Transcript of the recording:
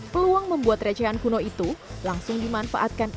peluang membuat recehan kuno itu langsung dimanfaatkan